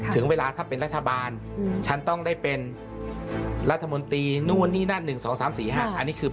ถึงเวลาถ้าเป็นรัฐบาลฉันต้องได้เป็นรัฐมนตรีนู่นนี่นั่น๑๒๓๔๕อันนี้คือ